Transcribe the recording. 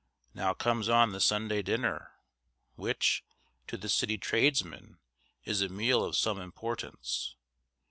Now comes on the Sunday dinner, which, to the city tradesman, is a meal of some importance.